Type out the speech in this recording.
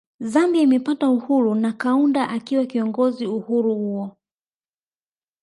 Zambia imepata uhuru na Kaunda akiwa kiongozi uhuru huo